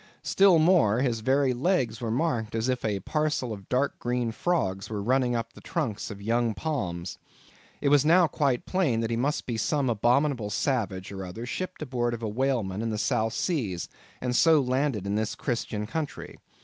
Still more, his very legs were marked, as if a parcel of dark green frogs were running up the trunks of young palms. It was now quite plain that he must be some abominable savage or other shipped aboard of a whaleman in the South Seas, and so landed in this Christian country.